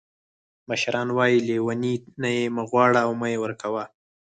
مشران وایي: لیوني نه یې مه غواړه او مه یې ورکوه.